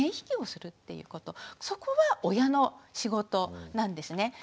そこは親の仕事なんですね。